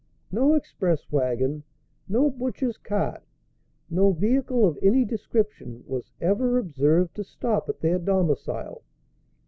No express wagon, no butcher's cart, no vehicle of any description, was ever observed to stop at their domicile.